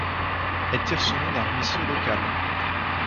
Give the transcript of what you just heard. Elle tire son nom d'un ruisseau local.